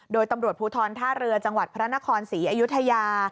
โดยตำรวจภูทรท่าเรือจังหวัดพระนครศรีอยุธยา